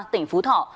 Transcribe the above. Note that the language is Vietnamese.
tỉnh phú thỏ